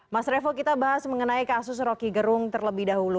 mas revo kita bahas mengenai kasus roky gerung terlebih dahulu